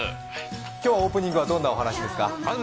今日、オープニングはどんなお話ですか？